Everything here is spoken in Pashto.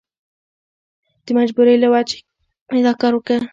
د مجبورۍ له وجهې مې دا کار وکړ.